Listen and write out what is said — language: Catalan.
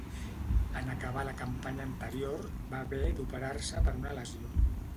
En acabar la campanya anterior va haver d'operar-se per una lesió.